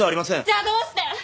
じゃあどうして！？